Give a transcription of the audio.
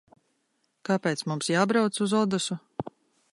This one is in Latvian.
Kāpēc mums jābrauc uz Odesu?